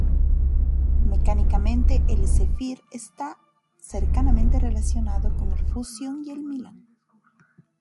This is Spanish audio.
Mecánicamente el Zephyr está cercanamente relacionado con el Fusion y el Milan.